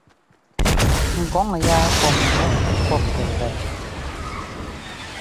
Ŋ kɔŋ yáa pɔ́ mvú pɔ́p pɛvɛt.